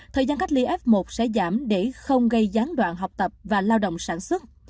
thời gian cách ly f một sẽ giảm để không gây gián đoạn học tập và lao động sản xuất